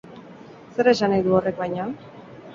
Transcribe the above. Zer esan nahi du horrek baina?